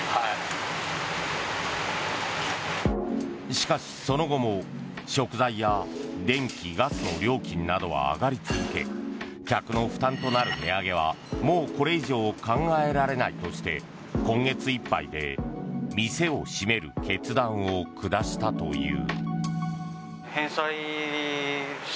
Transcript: しかし、その後も食材や電気・ガスの料金などは上がり続け客の負担となる値上げはもうこれ以上考えられないとして今月いっぱいで店を閉める決断を下したという。